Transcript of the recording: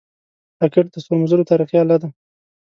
راکټ د ستورمزلو تاریخي اله ده